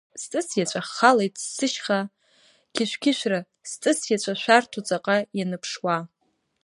Сҵыс иаҵәа халеит сышьха кьышәкьышәра, сҵыс иаҵәа шәарцу ҵаҟа ианыԥшуа?